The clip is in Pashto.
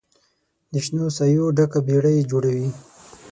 د شنو سایو ډکه بیړۍ جوړوي